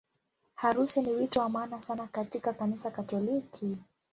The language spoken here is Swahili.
Harusi ni wito wa maana sana katika Kanisa Katoliki.